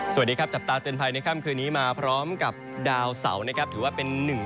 สวัสดีครับจับตาเตือนภัยในค่ำคืนนี้มาพร้อมกับดาวเสานะครับถือว่าเป็นหนึ่ง